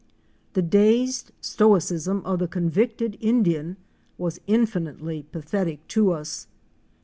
The dazed stoicism of the convicted Indian was infinitely pathetic to us.